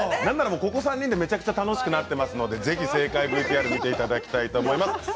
何ならここ３人でめちゃくちゃ楽しくなってますので是非正解ＶＴＲ見ていただきたいと思います。